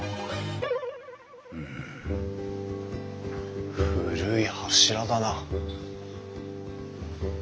うむ古い柱だな。